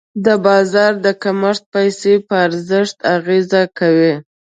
د بازار د کمښت پیسې په ارزښت اغېز کوي.